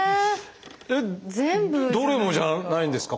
全部じゃないんですか？